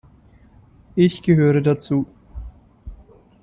Ich gehöre dazu.